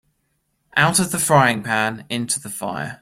Out of the frying-pan into the fire